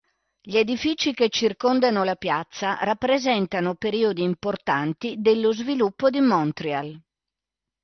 Gli edifici che circondano la piazza rappresentano periodi importanti dello sviluppo di Montréal.